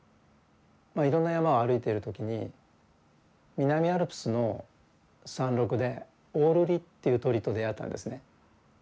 いろんな山を歩いている時に南アルプスの山麓でオオルリっていう鳥と出会ったんですね。